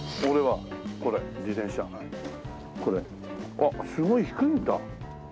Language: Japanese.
あっすごい低いんだ。